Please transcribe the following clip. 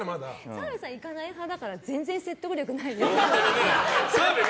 澤部さん、行かない派から全然説得力ない。